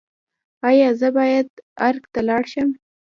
ایا زه باید ارګ ته لاړ شم؟